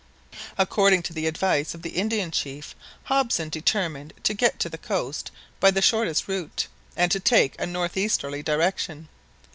According to the advice of the Indian chief, Hobson determined to get to the coast by the shortest route, and to take a north easterly direction.